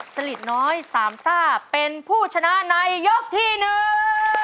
สลิดน้อยสามซ่าเป็นผู้ชนะในยกที่หนึ่ง